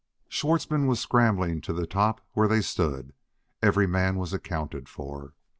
_" Schwartzmann was scrambling to the top where they stood; every man was accounted for.